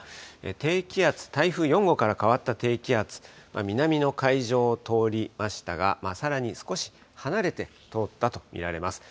低気圧、台風４号から変わった低気圧、南の海上を通りましたが、さらに少し離れて通ったと見られます。